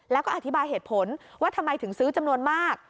แล้วก็อธิบายเหตุผลว่าทำไมถึงซื้อจำนวนมาก